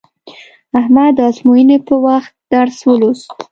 احمد د ازموینې په وخت درس ولوست.